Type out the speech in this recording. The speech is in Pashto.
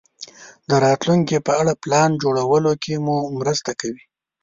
د راتلونکې په اړه پلان جوړولو کې مو مرسته کوي.